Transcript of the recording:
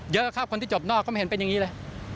เยอะครับคนที่จบนอกก็ไม่เห็นเป็นอย่างนี้เลย